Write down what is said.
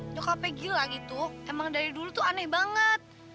nyokapnya gilang itu emang dari dulu tuh aneh banget